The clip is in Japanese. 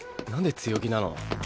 なんで強気なの？